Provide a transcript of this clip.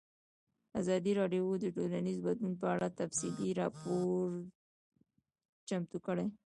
ازادي راډیو د ټولنیز بدلون په اړه تفصیلي راپور چمتو کړی.